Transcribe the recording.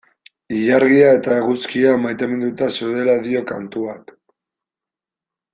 Ilargia eta eguzkia maiteminduta zeudela dio kantuak.